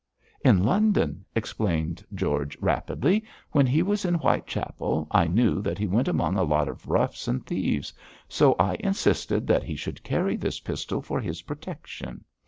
'In London,' explained George, rapidly. 'When he was in Whitechapel I knew that he went among a lot of roughs and thieves, so I insisted that he should carry this pistol for his protection.